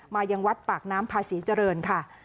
ยังวัดปากน้ำพาศรีเจริญค่ะ